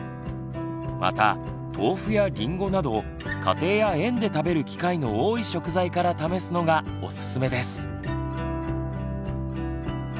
また豆腐やりんごなど家庭や園で食べる機会の多い食材から試すのがおすすめです。